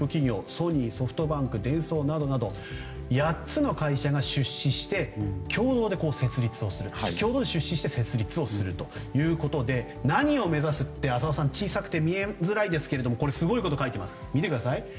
ソニー、ソフトバンクデンソーなどなど８つの会社が出資して共同で出資して設立するということで何を目指すって、浅尾さん小さくて見えづらいですがすごいことが書いています。